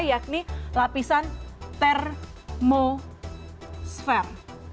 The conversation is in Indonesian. yakni lapisan termosfer